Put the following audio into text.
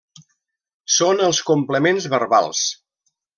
Són els complements verbals.